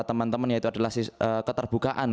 teman teman yaitu adalah keterbukaan